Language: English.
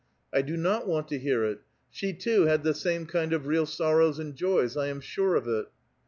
"I do not want to hear it. She, too, had the same kind of real sorrows and joys, I am sure of it."